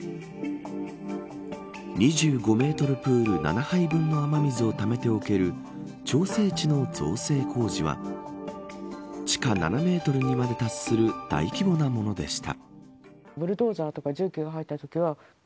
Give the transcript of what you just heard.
２５メートルプール７杯分の雨水をためておける調整池の造成工事は地下７メートルにまで達する大規模なものでした。